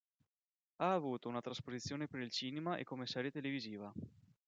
Ha avuto una trasposizione per il cinema e come serie televisiva.